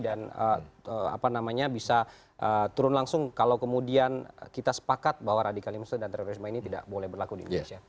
dan bisa turun langsung kalau kemudian kita sepakat bahwa radikalisme dan terorisme ini tidak boleh berlaku di indonesia